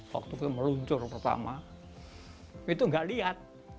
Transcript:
waktu itu meluncur pertama itu nggak lihat